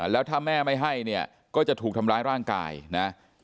แล้วถ้าแม่ไม่ให้เนี่ยก็จะถูกทำร้ายร่างกายนะ